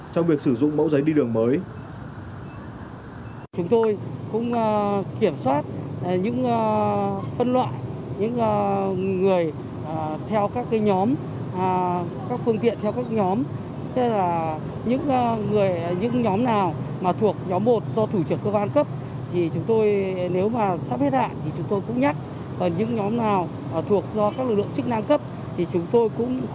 trong việc sử dụng mẫu giấy đi đường mới